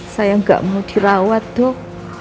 saya nggak mau dirawat dok